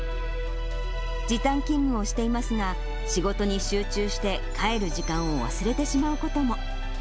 時短勤務をしていますが、仕事に集中して帰る時間を忘れてしまうことも。